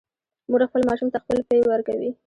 مور خپل ماشوم ته خپل پی ورکوي